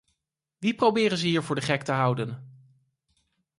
Wie proberen ze hier voor de gek te houden?